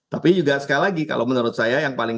tapi juga sekali lagi kalau menurut saya yang paling